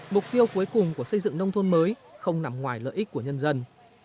mục tiêu cuối cùng của xây dựng nông thôn mới không nằm ngoài lợi ích của nhân dân